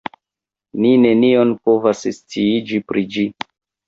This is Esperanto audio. Ni nenion povas sciiĝi pri ĝi.